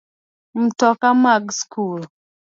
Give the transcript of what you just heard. Mtoka mag sk